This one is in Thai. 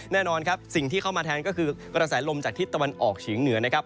แน่นอนครับสิ่งที่เข้ามาแทนก็คือกระแสลมจากทิศตะวันออกเฉียงเหนือนะครับ